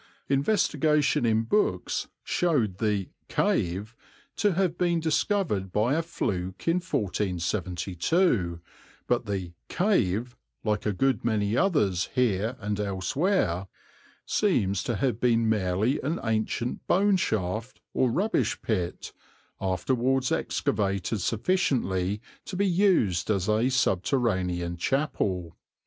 Investigation in books showed the "cave" to have been discovered by a fluke in 1472, but the "cave," like a good many others here and elsewhere, seems to have been merely an ancient boneshaft or rubbish pit, afterwards excavated sufficiently to be used as a subterranean chapel.